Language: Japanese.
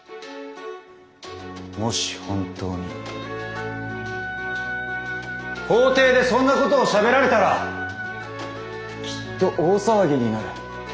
もし本当に法廷でそんなことをしゃべられたらきっと大騒ぎになる。